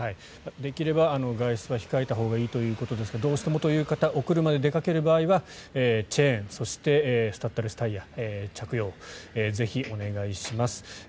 できれば外出は控えたほうがいいということですがどうしてもという方お車で出かける場合はチェーンそしてスタッドレスタイヤ着用をぜひお願いします。